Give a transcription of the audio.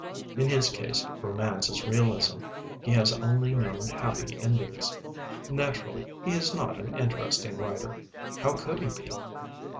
In his case, romance is realism. He has only known happy endings. Naturally he is not an interesting writer. How could he be?